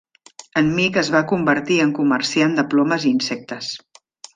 En Meek es va convertir en comerciant de plomes i insectes.